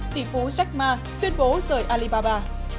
tỷ phú jack ma tuyên bố rời alibaba